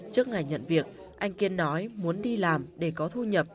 trước ngày nhận việc anh kiên nói muốn đi làm để có thu nhập